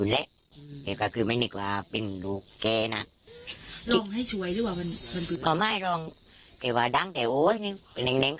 และก็คือไม่นึกว่าเป็นลูกแกนัก